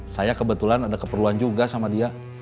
saya kebetulan ada keperluan juga sama dia